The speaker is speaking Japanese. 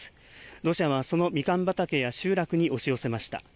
土砂はそのみかん畑や集落に押し寄せました。